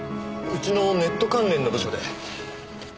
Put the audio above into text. うちのネット関連の部署で。